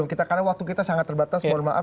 karena waktu kita sangat terbatas